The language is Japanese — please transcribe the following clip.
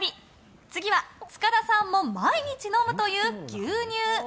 次は塚田さんも毎日飲むという牛乳。